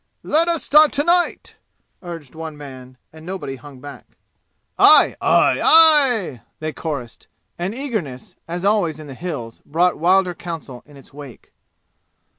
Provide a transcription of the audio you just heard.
"Let us start to night!" urged one man, and nobody hung back. "Aye! Aye! Aye!" they chorused. And eagerness, as always in the "Hills," brought wilder counsel in its wake.